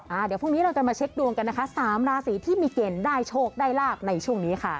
เดี๋ยวพรุ่งนี้เราจะมาเช็คดวงกันนะคะสามราศีที่มีเกณฑ์ได้โชคได้ลาบในช่วงนี้ค่ะ